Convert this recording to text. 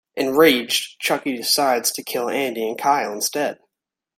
Enraged, Chucky decides to kill Andy and Kyle instead.